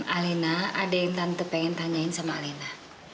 alina ada yang tante pengen tanyain sama alina